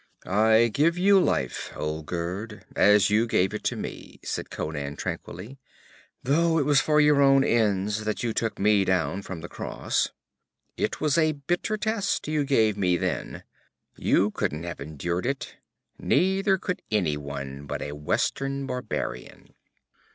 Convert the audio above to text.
'I give you life, Olgerd, as you gave it to me,' said Conan tranquilly, 'though it was for your own ends that you took me down from the cross. It was a bitter test you gave me then; you couldn't have endured it; neither could anyone, but a western barbarian.